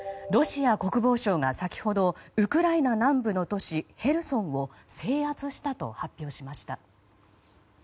ロシア国防省が先ほどウクライナ南部の都市ヘルソンを制圧したと発表しました。